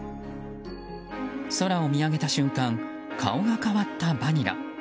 空を見上げた瞬間顔が変わったバニラ。